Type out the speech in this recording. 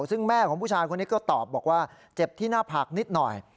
ซึ่งแม่ของผู้ชายคนนี้ก็ตอบบอกว่าเจ็บที่หน้าผากนิดหน่อย